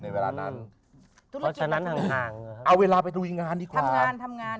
เวลานั้นเพราะฉะนั้นห่างเอาเวลาไปลุยงานดีกว่าทำงานทำงาน